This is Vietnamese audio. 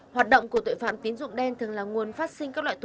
hoạt động của tội phạm tín dụng đen thường là nguồn phát sinh các loại tội phạm